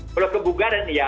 kalau kebugaran ya